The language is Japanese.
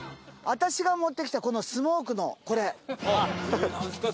私が持ってきたスモークのこれ。